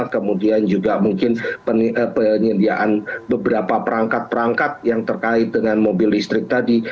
kemudian juga mungkin penyediaan beberapa perangkat perangkat yang terkait dengan mobil listrik tadi